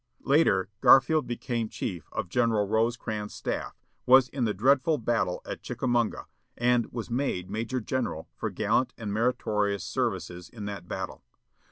Later, Garfield became chief of General Rosecrans' staff, was in the dreadful battle of Chickamauga, and was made major general "for gallant and meritorious services" in that battle.